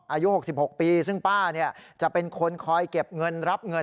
อายุ๖๖ปีซึ่งป้าจะเป็นคนคอยเก็บเงินรับเงิน